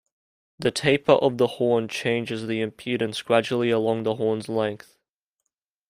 The taper of the horn changes the impedance gradually along the horn's length.